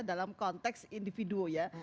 dalam konteks individu ya